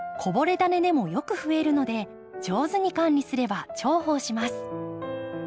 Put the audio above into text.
ダネでもよくふえるので上手に管理すれば重宝します。